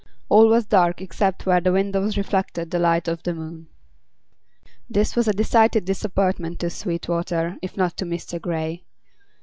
All was dark except where the windows reflected the light of the moon. This was a decided disappointment to Sweetwater, if not to Mr. Grey.